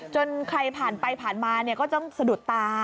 ใครผ่านไปผ่านมาก็ต้องสะดุดตา